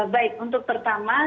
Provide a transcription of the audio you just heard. baik untuk pertama